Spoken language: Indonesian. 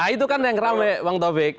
nah itu kan yang ramah bang taufik